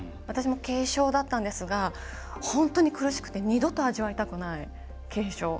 私も軽症だったんですが本当に苦しくて二度と味わいたくない軽症。